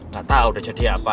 gak tau udah jadi apa